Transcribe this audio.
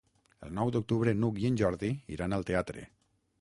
El nou d'octubre n'Hug i en Jordi iran al teatre.